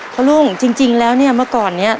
ลุงจริงแล้วเนี่ยเมื่อก่อนเนี่ย